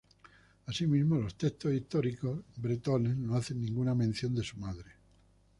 Asimismo, los textos históricos bretones no hacen ninguna mención de su madre.